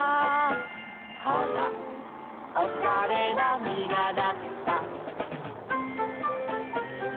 「ほらおしゃれなみがなった」